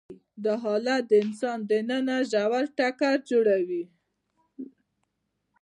دا حالت د انسان دننه ژور ټکر جوړوي.